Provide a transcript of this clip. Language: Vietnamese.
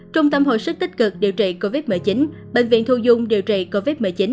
trung tâm hồi sức tích cực điều trị covid một mươi chín bệnh viện thu dung điều trị covid một mươi chín